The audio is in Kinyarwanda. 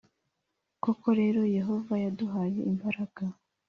Koko rero Yehova yaduhaye imbaraga